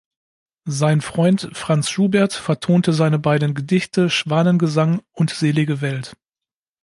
Sein Freund Franz Schubert vertonte seine beiden Gedichte "Schwanengesang" und "Selige Welt".